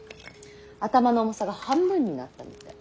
頭の重さが半分になったみたい。